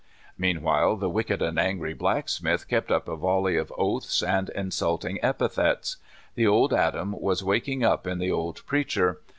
Mean wdiile the wicked and augiy blacksmith kept up a volley of oaths and insulting epithets. The old Adam was waking up in the old preacher.